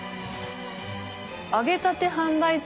「揚げたて販売中‼」